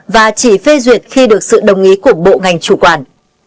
và chỉ phê duyệt khi được sự đồng ý của bộ ngành chủ quản